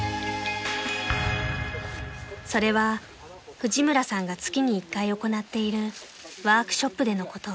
［それは藤村さんが月に一回行っているワークショップでのこと］